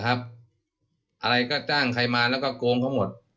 อะไรก็จ้างใครมาแล้วก็โกงเขาหมด